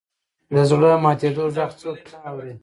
د زړه ماتېدو ږغ څوک نه اوري.